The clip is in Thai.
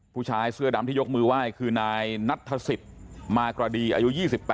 ผู้ชายเสื้อดำที่ยกมือไหว้คือนายนัทธศิษย์มากรดีอายุ๒๘